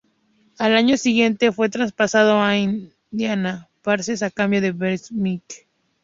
Al año siguiente fue traspasado a Indiana Pacers a cambio de Marv Winkler.